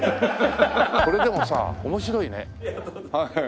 これでもさ面白いね。